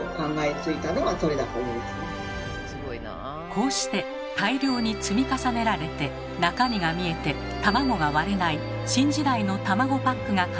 こうして大量に積み重ねられて中身が見えて卵が割れない新時代の卵パックが完成。